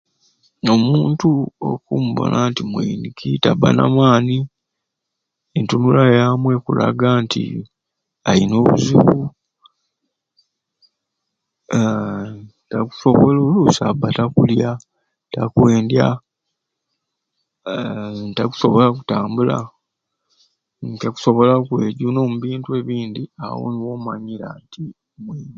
N'omuntu okumubona nti mwiniki tabba na maani entunula yamwe ekulaga nti alina obuzibu aa takusobola oluusi aba takwendya kulya aa takusobola kutambula takusobola kwejuna omubintu ebindi awo nikwo omanyira mwiniki.